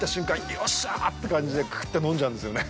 よっしゃーって感じでクーっと飲んじゃうんですよね。